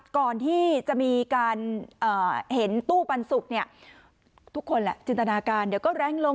ก่อนที่จะมีการเห็นตู้ปันสุกทุกคนแหละจินตนาการเดี๋ยวก็แรงลง